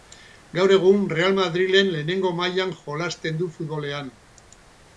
Gaur egun, Real Madriden lehenengo mailan jolasten du futbolean.